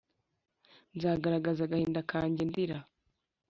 Nzagaragaza agahinda kanjye ndira